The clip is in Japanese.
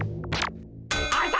あいた！